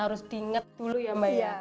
harus dinget dulu ya mbah ya